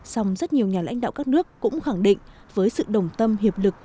song rất nhiều nhà lãnh đạo các nước cũng khẳng định với sự đồng tâm hiệp lực